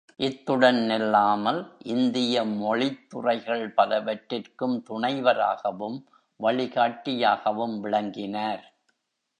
இத்துடன் நில்லாமல், இந்திய மொழித்துறைகள் பலவற்றிற்கும் துணைவராகவும் வழிகாட்டியாகவும் விளங்கினார்.